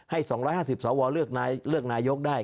๒๕๐สวเลือกนายกได้